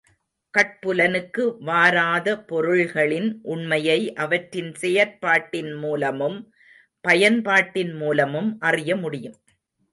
கட்புலனுக்கு வாராத பொருள்களின் உண்மையை அவற்றின் செயற்பாட்டின் மூலமும், பயன்பாட்டின் மூலமும் அறிய முடியும்.